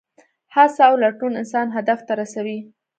هڅه او لټون انسان هدف ته رسوي.